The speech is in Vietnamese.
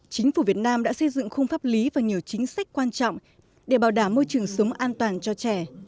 chính phủ việt nam đã xây dựng khung pháp lý và nhiều chính sách quan trọng để bảo đảm môi trường sống an toàn cho trẻ